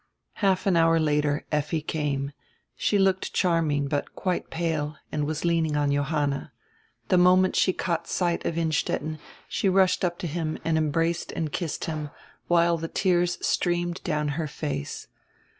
Half an hour later Effi came. She looked charming, but quite pale, and was leaning on Johanna. The moment she caught sight of Innstetten she rushed up to him and em braced and kissed him, while the tears streamed down her face.